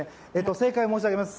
正解を申し上げます。